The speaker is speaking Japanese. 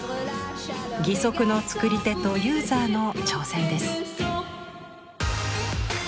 義足の作り手とユーザーの挑戦です。